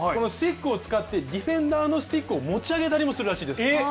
スティックを使って、ディフェンダーのスティックを持ち上げたりもするそうです。